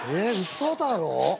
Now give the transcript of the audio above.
嘘だろ。